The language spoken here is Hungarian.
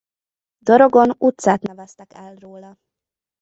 Dorogon utcát neveztek el róla.